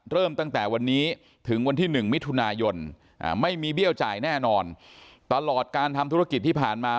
เริ่มตั้งแต่วันนี้ถึงวันที่๑มิถุนายนไม่มีเบี้ยวจ่ายแน่นอนตลอดการทำธุรกิจที่ผ่านมา